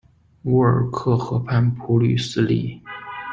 乌尔克河畔普吕斯利。